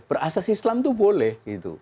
berasas islam itu boleh